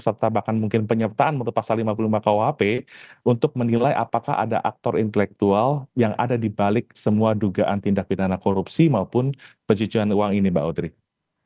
serta bahkan mungkin penyertaan untuk pasal lima puluh lima kuhp untuk menilai apakah ada aktor intelektual yang ada di balik semua dugaan tindak pidana korupsi maupun pencucian uang ini mbak odrik